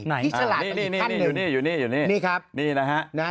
ที่ฉลาดอีกขั้นหนึ่งนี่นะครับ